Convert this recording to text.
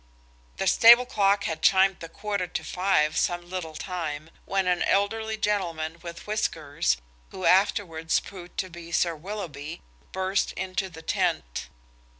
The stable clock had chimed the quarter to five some little time, when an elderly gentleman with whiskers, who afterwards proved to be Sir Willoughby, burst into the tent.